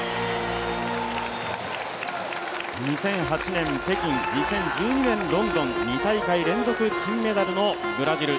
２００８年北京、２０１２年ロンドン、２大会連続金メダルのブラジル。